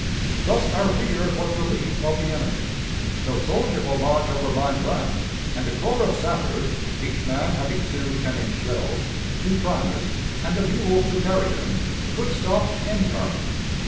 Thus our rear was relieved of the enemy. No soldier will march over mined land, and a corps of sappers, each man having two ten inch shells, two primers, and a mule to carry them, could stop any army."